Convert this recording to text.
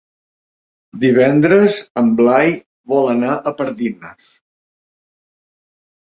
Divendres en Blai vol anar a Pardines.